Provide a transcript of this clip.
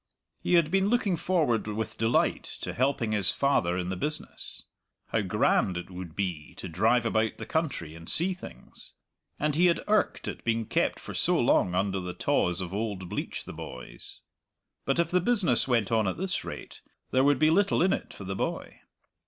He had been looking forward with delight to helping his father in the business how grand it would be to drive about the country and see things! and he had irked at being kept for so long under the tawse of old Bleach the boys. But if the business went on at this rate there would be little in it for the boy.